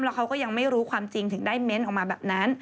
แล้วเขาก็ยังไม่รู้ความจริงถึงได้เม้นต์ออกมาแบบนั้น